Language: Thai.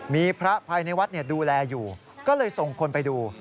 มีพระภายในวัดดูแลอยู่ก็เลยส่งคนไปดู